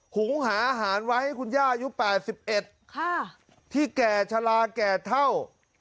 หุงหาอาหารไว้ให้คุณย่าอายุ๘๑ที่แก่ชะลาแก่เท่า